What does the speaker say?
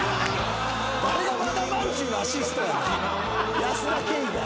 誰が和田まんじゅうのアシストやねん。